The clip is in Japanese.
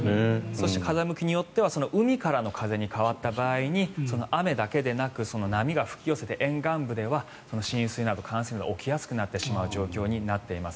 そして風向きによっては海からの風に変わった場合に雨だけでなく波が吹き寄せて沿岸部では浸水など冠水などが起きやすくなってしまう状況になっています。